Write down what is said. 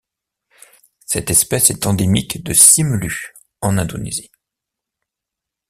Cette espèce est endémique de Simeulue en Indonésie.